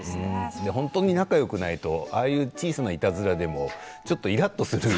本当に仲よくないとああいう小さないたずらでもちょっとイラっとする。